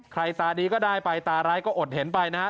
ใครตาดีก็ได้ไปตาร้ายก็อดเห็นไปนะฮะ